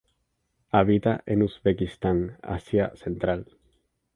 Habita en Uzbekistán, Asia Central.